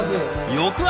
翌朝。